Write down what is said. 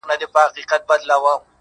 په څو ځله لوستلو یې په معنا نه پوهېږم -